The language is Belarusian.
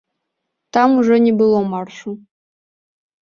Там ужо не было маршу.